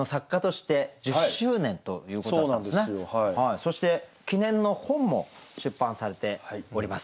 そして記念の本も出版されております。